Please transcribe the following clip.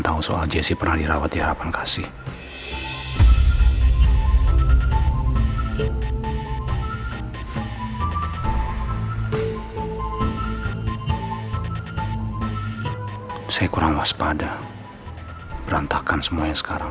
tahu soal jessi pernah dirawat di harapan kasih saya kurang waspada berantakan semuanya sekarang